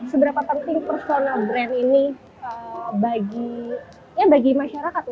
seberapa penting personal brand ini bagi masyarakat